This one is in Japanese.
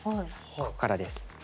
ここからです。